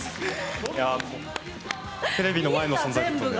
いやもうテレビの前の存在だったので。